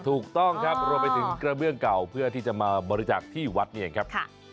ถูกต้องครับรวมไปถึงกระเบื้องเก่าเพื่อที่จะมาบริจาคที่วัดนี่เองครับ